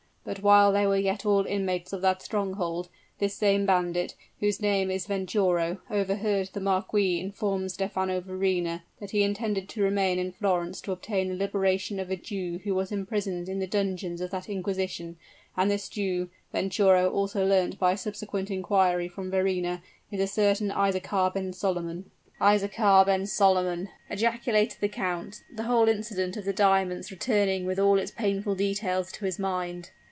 But while they were yet all inmates of that stronghold, this same bandit, whose name is Venturo, overheard the marquis inform Stephano Verrina that he intended to remain in Florence to obtain the liberation of a Jew who was imprisoned in the dungeons of the inquisition: and this Jew, Venturo also learnt by subsequent inquiry from Verrina, is a certain Isaachar ben Solomon." "Isaachar ben Solomon!" ejaculated the count, the whole incident of the diamonds returning with all its painful details to his mind.